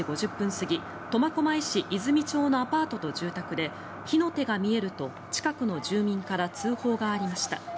過ぎ苫小牧市泉町のアパートと住宅で火の手が見えると近くの住民から通報がありました。